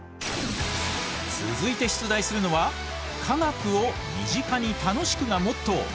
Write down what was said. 続いて出題するのは科学を身近に楽しくがモットー。